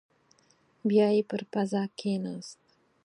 بيايې پر پزه کېناست.